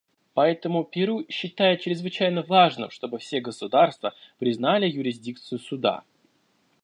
Поэтому Перу считает чрезвычайно важным, чтобы все государства признали юрисдикцию Суда.